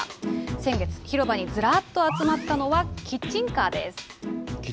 先月、広場にずらっと集まったのは、キッチンカーです。